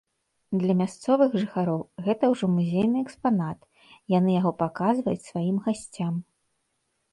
Для мясцовых жыхароў гэта ўжо музейны экспанат, яны яго паказваюць сваім гасцям.